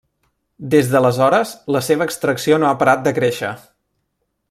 Des d'aleshores, la seva extracció no ha parat de créixer.